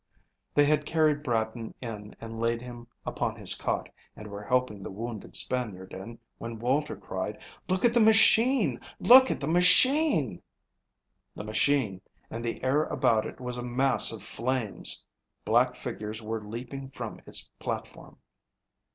They had carried Bratton in and laid him upon his cot and were helping the wounded Spaniard in, when Walter cried: "Look at the machine! Look at the machine!" The machine and the air about it was a mass of flames. Black figures were leaping from its platform.